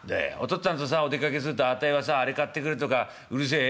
っつぁんとさお出かけするとあたいはさあれ買ってくれとかうるせえ？」。